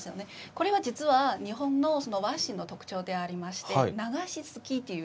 これは実は日本の和紙の特徴でありまして流しすきっていう。